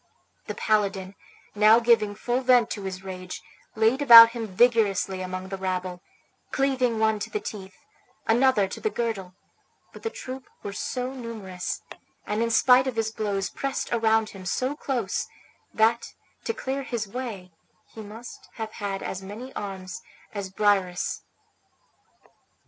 The paladin, now giving full vent to his rage, laid about him vigorously among the rabble, cleaving one to the teeth, another to the girdle; but the troop were so numerous, and in spite of his blows pressed around him so close, that, to clear his way, he must have had as many arms as Briareus.